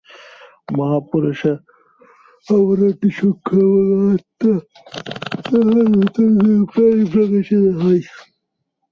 মহাপুরুষে আবরণটি সূক্ষ্ম এবং আত্মা তাঁহার ভিতর দিয়া প্রায়ই প্রকাশিত হয়।